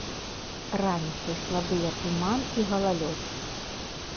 Раніцай слабыя туман і галалёд.